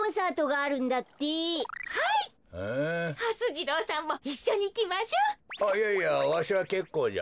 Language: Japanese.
あっいやいやわしはけっこうじゃ。